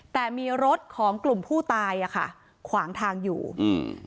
แต่มีรถของกลุ่มผู้ตายอ่ะค่ะขวางทางอยู่อืม